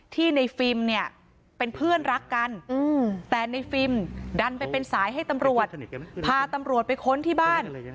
ที่ในฟิล์มเนี่ยเป็นเพื่อนรักกันแต่ในฟิล์มดันไปเป็นสายให้ตำรวจพาตำรวจไปค้นที่บ้าน